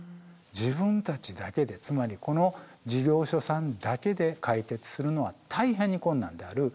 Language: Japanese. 自分たちだけでつまりこの事業所さんだけで解決するのは大変に困難である。